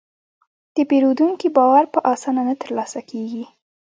د پیرودونکي باور په اسانه نه ترلاسه کېږي.